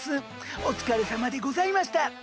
お疲れさまでございました。